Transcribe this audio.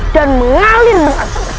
dan mengalir merasa cepat